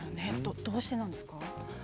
どうしてなんですか。